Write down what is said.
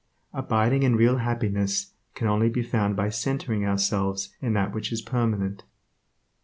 Abiding and real happiness can only be found by centering ourselves in that which is permanent.